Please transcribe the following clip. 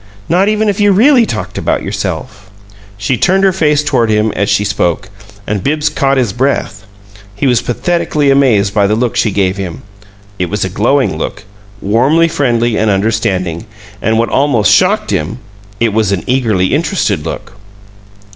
"Not even if you really talked about yourself." She turned her face toward him as she spoke, and Bibbs caught his breath; he was pathetically amazed by the look she gave him. It was a glowing look, warmly friendly and understanding, and, what almost shocked him, it was an eagerly interested look.